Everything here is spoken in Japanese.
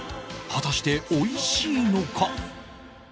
果たして美味しいのか？